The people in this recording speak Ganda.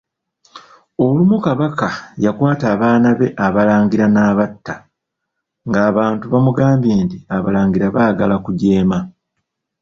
Olumu Kabaka yakwata abaana be Abalangira n'abatta, ng'abantu bamugambye nti abalangira baagala kujeema.